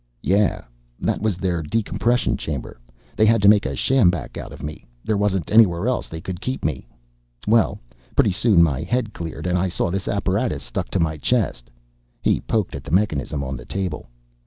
"Yeah, that was their decompression chamber. They had to make a sjambak out of me; there wasn't anywhere else they could keep me. Well, pretty soon my head cleared, and I saw this apparatus stuck to my chest." He poked at the mechanism on the table.